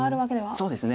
そうですね。